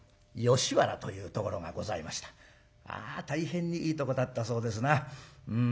大変にいいとこだったそうですな。